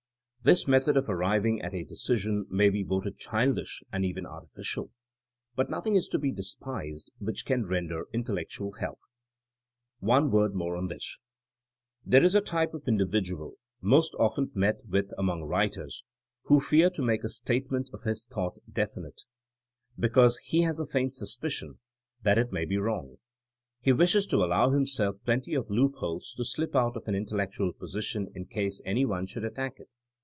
This method of arriving at a decision may be voted childish and even artificial, but nothing is to be despised which can render intellectual help. One word more on this. T here is a t ype of individual, most often met with Eunong writers, who fears to make a statemenf of Es tlibught definite, because he h£is a faint suspicion that it may be wrong. He wishes to allow himself plenty of loopholes to slip out of an intellectual poStton Jn _case^_any ^^^ one ..should „attack it.